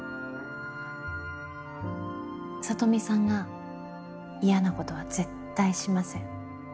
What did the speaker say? サトミさんが嫌なことは絶対しません。